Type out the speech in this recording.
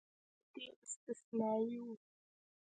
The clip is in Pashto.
دا حالت یې استثنایي و.